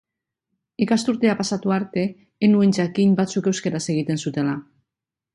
Ikasturtea pasatu arte ez nuen jakin batzuek euskaraz egiten zutela.